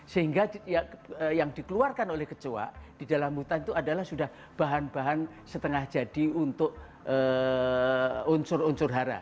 sehingga yang dikeluarkan oleh kecoa di dalam hutan itu adalah sudah bahan bahan setengah jadi untuk unsur unsur hara